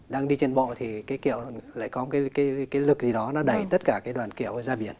đang đi trên bộ thì cái kiệu lại có một cái lực gì đó nó đẩy tất cả cái đoàn kiệu ra biển